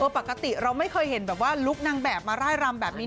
ปกติเราไม่เคยเห็นแบบว่าลุคนางแบบมาร่ายรำแบบนี้